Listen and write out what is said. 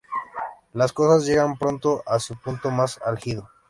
Las cosas llegan pronto a su punto más álgido.